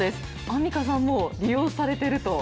アンミカさん、もう利用されてると。